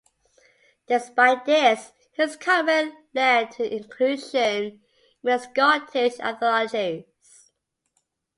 Despite this, his comment led to her inclusion in many Scottish anthologies.